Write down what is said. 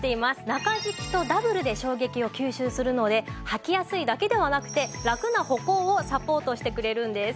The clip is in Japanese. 中敷きとダブルで衝撃を吸収するので履きやすいだけではなくてラクな歩行をサポートしてくれるんです。